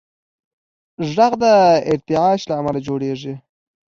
غږ د ارتعاش له امله جوړېږي.